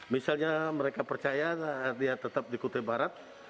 misalnya mereka percaya dia tetap di kutai barat